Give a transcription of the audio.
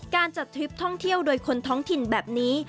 การจัดทริปท่องเที่ยวโดยคนท้องถิ่นแบบนี้